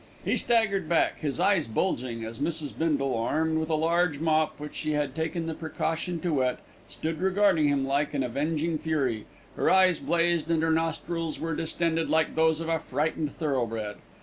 He staggered back, his eyes bulging, as Mrs. Bindle, armed with a large mop, which she had taken the precaution to wet, stood regarding him like an avenging fury. Her eyes blazed, and her nostrils were distended like those of a frightened thoroughbred.